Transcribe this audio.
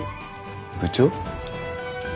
部長？